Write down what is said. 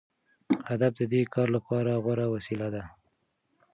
ادب د دې کار لپاره غوره وسیله ده.